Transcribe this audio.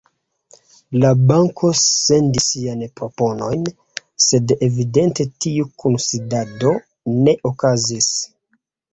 La banko sendis siajn proponojn, sed evidente tiu kunsidado ne okazis.